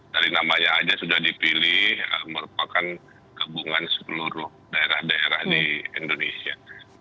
dari namanya aja sudah dipilih merupakan gabungan seluruh daerah daerah di indonesia